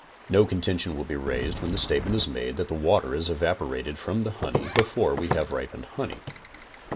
No contention will be raised when the statement is made that the water is evaporated from the honey before we have ripened honey.